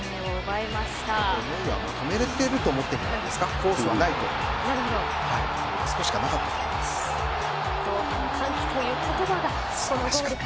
決められてると思ってたんじゃないですか。